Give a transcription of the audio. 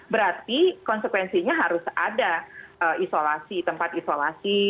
berarti konsekuensinya harus ada isolasi tempat isolasi